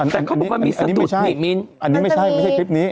แต่เขาบอกว่ามีสตุดมีนอันนี้ไม่ใช่ไม่ใช่คลิปนี้